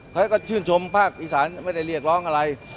เขาก็ชื่นชมภาคอีสานไม่ได้เรียกร้องอะไร